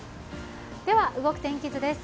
では、動く天気図です。